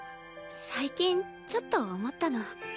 最近ちょっと思ったの。